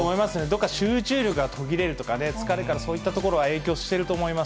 どこか集中力が途切れるとか、疲れからそういったところは影響していると思います。